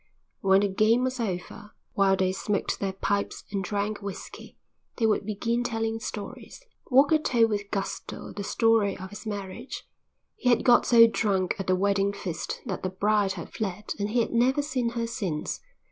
When the game was over, while they smoked their pipes and drank whisky, they would begin telling stories. Walker told with gusto the story of his marriage. He had got so drunk at the wedding feast that the bride had fled and he had never seen her since.